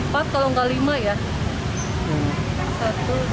empat kalau nggak lima ya